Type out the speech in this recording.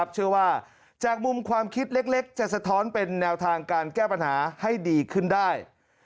เชื่อว่าจากมุมความคิดเล็กจะสะท้อนเป็นแนวทางการแก้ปัญหาให้ดีขึ้นได้